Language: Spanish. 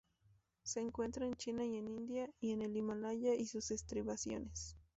Se encuentra en China y en la India, en el Himalaya y sus estribaciones.